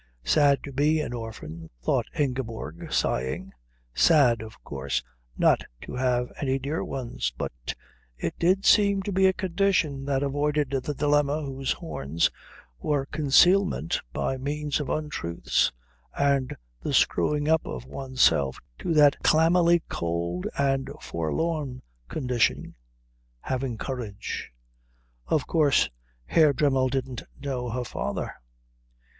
Sad to be an orphan, thought Ingeborg sighing. Sad, of course, not to have any dear ones. But it did seem to be a condition that avoided the dilemma whose horns were concealment by means of untruths and the screwing up of oneself to that clammily cold and forlorn condition, having courage. Of course, Herr Dremmel didn't know her father.